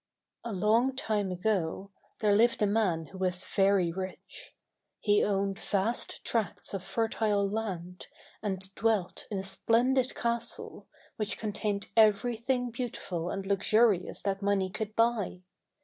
^ LONG time ago, there lived a man who was very rich. He owned vast tracts of fertile land, and dwelt in a splendid castle, which contained everything beautiful and luxurious that money could buy.